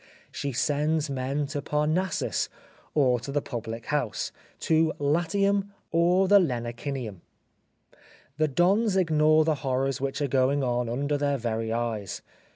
She sends men to Parnassus or to the public house, to Latium or the lenocinium. The Dons ignore the horrors which are going on under their very eyes.